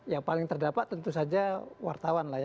yang paling terdapat tentu saja wartawan